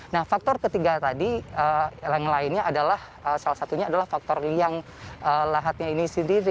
nah faktor ketiga tadi yang lainnya adalah salah satunya adalah faktor liang lahatnya ini sendiri